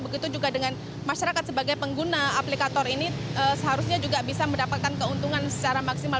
begitu juga dengan masyarakat sebagai pengguna aplikator ini seharusnya juga bisa mendapatkan keuntungan secara maksimal